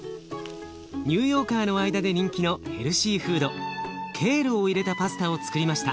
ニューヨーカーの間で人気のヘルシーフードケールを入れたパスタをつくりました。